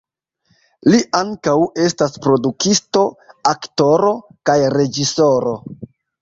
Li ankaŭ estas produktisto, aktoro, kaj reĝisoro.